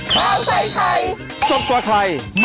สวัสดีค่ะ